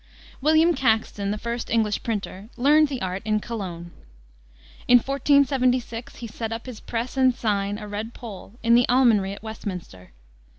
William Caxton, the first English printer, learned the art in Cologne. In 1476 he set up his press and sign, a red pole, in the Almonry at Westminster.